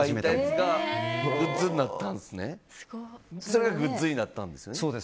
それがグッズになったんですね。